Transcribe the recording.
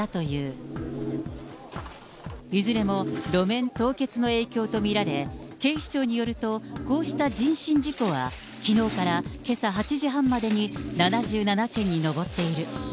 いずれも路面凍結の影響と見られ、警視庁によると、こうした人身事故はきのうからけさ８時半までに７７件に上っている。